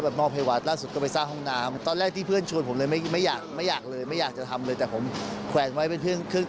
เดี๋ยวให้หนุ่มเป้เขาเล่าให้เราฟังหน่อยดีกว่าค่ะ